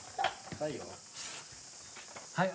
はい。